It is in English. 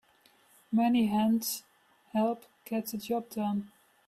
Many hands help get the job done.